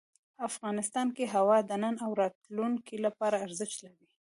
افغانستان کې هوا د نن او راتلونکي لپاره ارزښت لري.